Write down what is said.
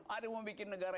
aduh mau bikin negara